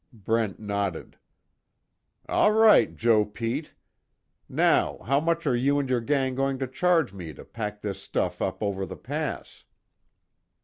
Brent nodded: "All right, Joe Pete. Now how much are you and your gang going to charge me to pack this stuff up over the pass?"